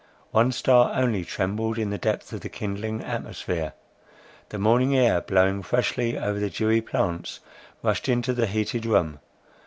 One star only trembled in the depth of the kindling atmosphere. The morning air blowing freshly over the dewy plants, rushed into the heated room.